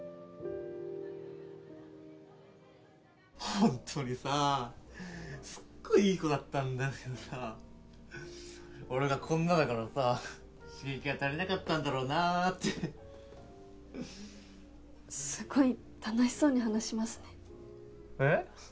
ホントにさあすっごいいい子だったんだけどさ俺がこんなだからさ刺激が足りなかったんだろうなってすごい楽しそうに話しますねえっ？